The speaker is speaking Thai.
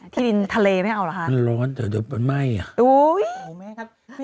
ที่ดินทะเลไม่เอาเหรอคะมันร้อนเดี๋ยวมันไหม้อะ